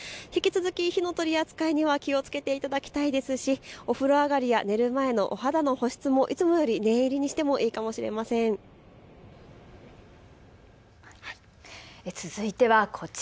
引き続き火の取り扱いは気をつけていただきたいですしお風呂上がりや寝る前の保湿もいつもより念入りにしてもいいかもしれないです。